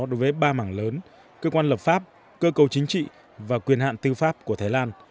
đối với ba mảng lớn cơ quan lập pháp cơ cầu chính trị và quyền hạn tư pháp của thái lan